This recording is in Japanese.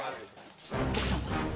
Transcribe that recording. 奥さんは？